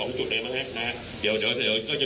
คุณผู้ชมไปฟังผู้ว่ารัฐกาลจังหวัดเชียงรายแถลงตอนนี้ค่ะ